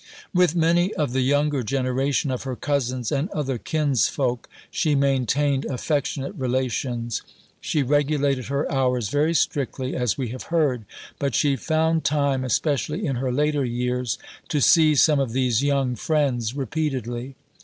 With many of the younger generation of her cousins and other kinsfolk she maintained affectionate relations. She regulated her hours very strictly, as we have heard, but she found time, especially in her later years, to see some of these young friends repeatedly.